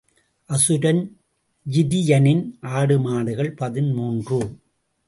அசுரன் ஜிரியனின் ஆடுமாடுகள் பதிமூன்று .